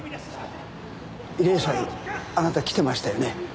慰霊祭あなた来てましたよね。